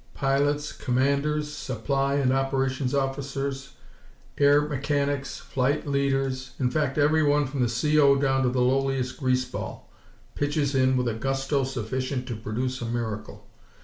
Pilots, Commanders, Supply and Operations officers, air mechanics, flight leaders, in fact everyone, from the C.O. down to the lowliest greaseball, pitches in with a gusto sufficient to produce a miracle.